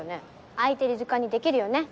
空いてる時間にできるよね？